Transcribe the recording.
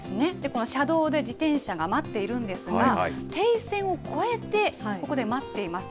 この車道で自転車が待っているんですが、停止線を越えて、ここで待っています。